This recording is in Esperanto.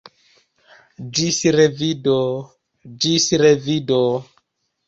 Ĝis revido; ĝis revido!